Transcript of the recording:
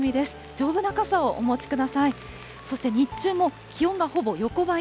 丈夫な傘をお持ちください。